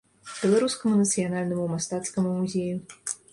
Беларускаму нацыянальнаму мастацкаму музею.